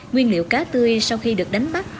nguyên liệu cá tươi sau khi được đánh bắt